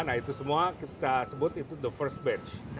nah itu semua kita sebut itu the first batch